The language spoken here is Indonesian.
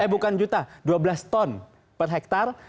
eh bukan juta dua belas ton per hektar